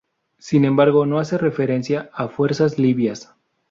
Sin embargo, no hace referencia a fuerzas libias.